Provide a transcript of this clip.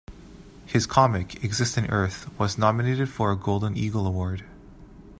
His comic, "Existing Earth" was nominated for a Golden Eagle Award.